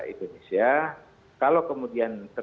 indonesia kalau kemudian